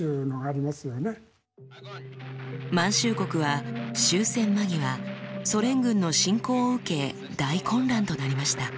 満州国は終戦間際ソ連軍の侵攻を受け大混乱となりました。